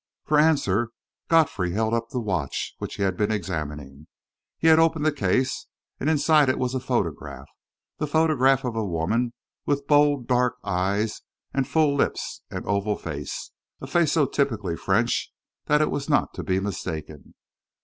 For answer, Godfrey held up the watch, which he had been examining. He had opened the case, and inside it was a photograph the photograph of a woman with bold, dark eyes and full lips and oval face a face so typically French that it was not to be mistaken.